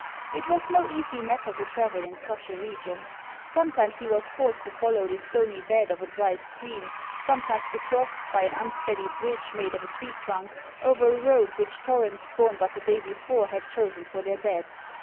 It was no easy matter to travel in such a region. Some times he was forced to follow the stony bed of a dry HANS OF ICELAND. 303 stream, sometimes to cross, by an unsteady bridge made of a tree trunk, over a road which torrents born but the day before had chosen for their bed.